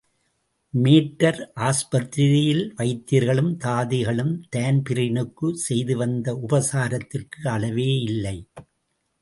Matter ஆஸ்பத்திரியில் வைத்தியர்களும் தாதிகளும் தான்பிரீனுக்குச் செய்துவந்த உபசாரத்திற்கு அளவேயில்லை.